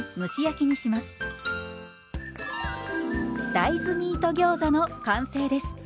大豆ミートギョーザの完成です。